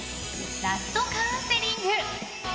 ラストカウンセリング！